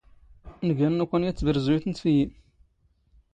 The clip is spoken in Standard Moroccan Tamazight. ⵏⴳⴰ ⵏⵏ ⵓⴽⴰⵏ ⵢⴰⵜ ⵜⴱⵔⵣⵣⵓⵢⵜ ⵏ ⵜⴼⵉⵢⵢⵉ.